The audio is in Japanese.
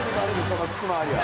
その口周りは。